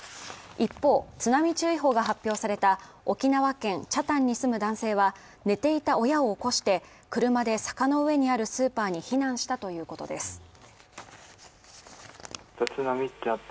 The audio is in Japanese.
一方、津波注意報が発表された沖縄県北谷に住む男性は寝ていた親を起こして車で坂の上にあるスーパーに避難したということです。